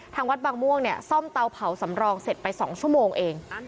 ทางวัดบางม่วงเนี่ยซ่อมเตาเผาสำรองเสร็จไป๒ชั่วโมงเอง